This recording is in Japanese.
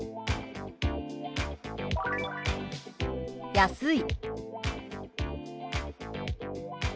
「安い」。